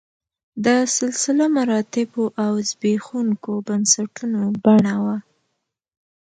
د سلسله مراتبو او زبېښونکو بنسټونو بڼه وه